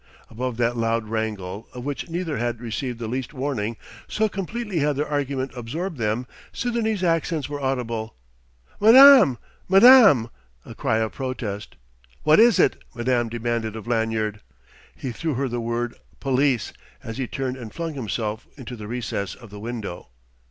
Above that loud wrangle of which neither had received the least warning, so completely had their argument absorbed them Sidonie's accents were audible: "Madame madame!" a cry of protest. "What is it?" madame demanded of Lanyard. He threw her the word "Police!" as he turned and flung himself into the recess of the window.